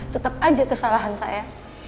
tetep aja kesalahan saya